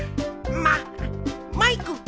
ママイク！